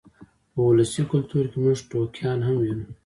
په ولسي کلتور کې موږ ټوکیان هم وینو.